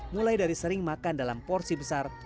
mulai dari sering makan dalam porsi besar